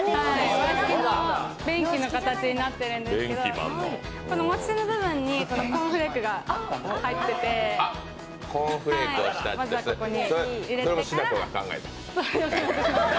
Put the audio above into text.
和式の便器の形になっているんですけど、この持ち手の部分にコーンフレークが入っていてこれをしなこが考えた。